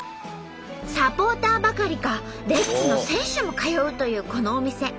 サポーターばかりかレッズの選手も通うというこのお店。